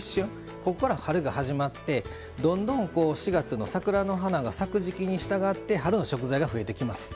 ここから春が始まってどんどんこう４月の桜の花が咲く時季にしたがって春の食材が増えてきます。